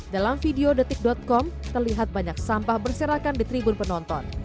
dalam video detik com terlihat banyak sampah berserakan di tribun penonton